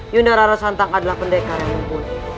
yunda rara santang adalah pendekar yang mumpuni